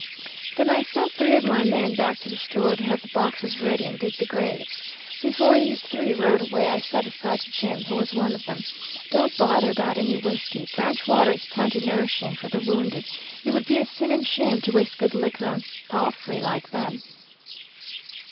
Then I sent three of my men back to the store to have the boxes ready and dig the graves. Before these three rode away, I said, aside to Jim, who was one of them, 'Don't bother about any whiskey; branch water is plenty nourishing for the wounded. It would be a sin and shame to waste good liquor on plafry like them.'